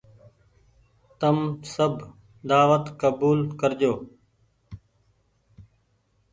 تم سب دآوت ڪبول ڪرجو۔